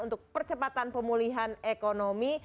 untuk persempatan pemulihan ekonomi